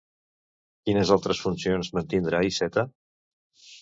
Quines altres funcions mantindrà Iceta?